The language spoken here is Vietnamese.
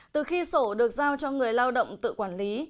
từ khi sổ được giao cho người lao động tự quản lý